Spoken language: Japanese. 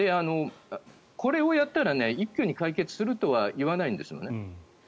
これをやったら一挙に解決するとは言わないんですね。